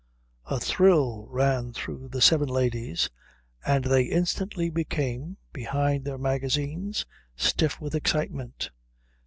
A thrill ran through the seven ladies, and they instantly became, behind their magazines, stiff with excitement.